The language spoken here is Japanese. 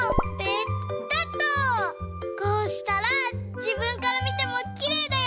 こうしたらじぶんからみてもきれいだよ。